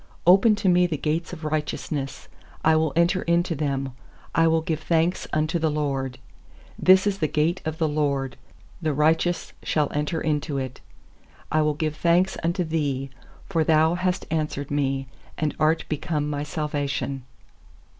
190pen to me the gates of righteous I will enter into them, I will give thanks unto the LORD. 20This is the gate of the LORD; The righteous shall enter into it. S61 118 21 PSALMS 21I will give thanks unto Thee, for Thou hast answered me, And art become my salvation.